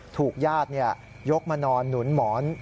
ถูกญาติยกมานอนหนุนหมอน